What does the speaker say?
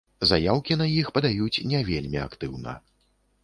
Заяўкі на іх падаюць не вельмі актыўна.